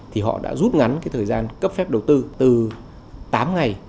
thì họ đã rút ngắn cái thời gian cấp phép đầu tư từ tám ngày